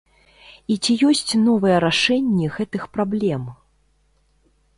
І ці ёсць новыя рашэнні гэтых праблем?